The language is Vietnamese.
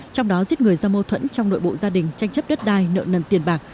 trong đó giết người do mâu thuẫn trong nội bộ gia đình tranh chấp đất đai nợ nần tiền bạc